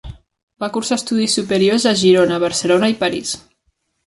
Va cursar estudis superiors a Girona, Barcelona i París.